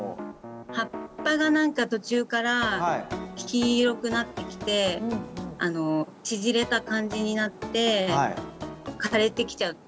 葉っぱが何か途中から黄色くなってきてあの縮れた感じになって枯れてきちゃうっていうか